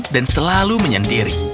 dan selalu menyendiri